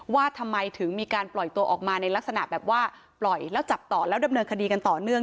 ว่าทำไมถึงมีการปล่อยตัวออกมาในลักษณะแบบว่าปล่อยแล้วจับต่อแล้วดำเนินคดีกันต่อเนื่อง